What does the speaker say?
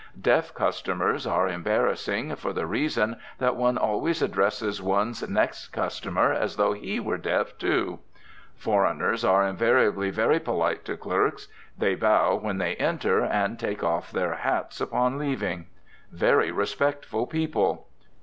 Deaf customers are embarrassing, for the reason that one always addresses one's next customer as though he were deaf, too. Foreigners are invariably very polite to clerks. They bow when they enter and take off their hats upon leaving. Very respectful people.